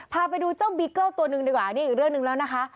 พาไปดูเจ้าบีเกิ้ลตัวหนึ่งดีกว่าอันนี้อีกเรื่องหนึ่งแล้วนะคะ